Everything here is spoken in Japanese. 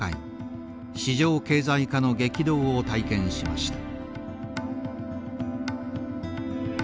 市場経済化の激動を体験しました。